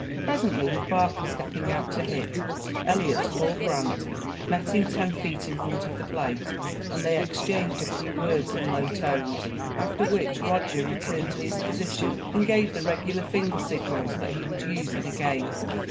Presently, with Barker stepping out to hit, Eliot called Grant, met him ten feet in front of the plate, and they exchanged a few words in low tones, after which Roger returned to his position and gave the regular finger signals that he would use in a game.